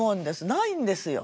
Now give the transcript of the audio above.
ないんですよ。